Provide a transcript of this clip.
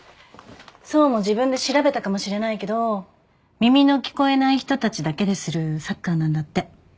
想も自分で調べたかもしれないけど耳の聞こえない人たちだけでするサッカーなんだって。